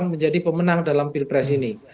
menjadi pemenang dalam pilpres ini